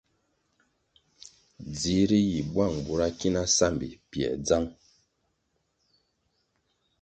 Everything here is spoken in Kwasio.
Dzihri yih buang bura ki na sambi pięr dzang.